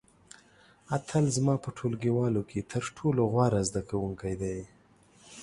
اتل زما په ټولګیوالو کې تر ټولو غوره زده کوونکی دی.